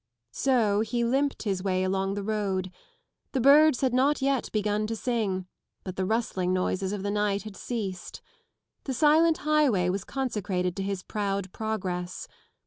114 So he limped hte way along the road. The birds had not yet begun to stag, but the rustling noises of the night had ceased. The silent highway was consecrated to his proud progress.